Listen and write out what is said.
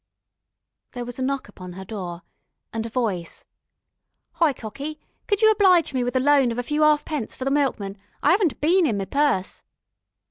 There was a knock upon her door, and a voice: "Hi, cocky, could you oblige me with a loan of a few 'alfpence for the milkman. I 'aven't a bean in me purse."